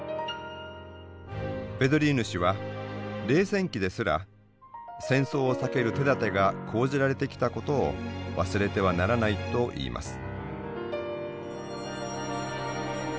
ヴェドリーヌ氏は冷戦期ですら戦争を避ける手だてが講じられてきたことを忘れてはならないといいます。